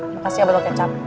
makasih abadot kecap